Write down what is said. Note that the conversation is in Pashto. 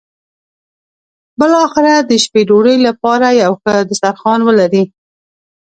بالاخره د شپې ډوډۍ لپاره یو ښه سترخوان ولري.